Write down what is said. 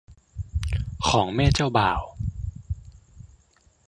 ของแม่เจ้าบ่าว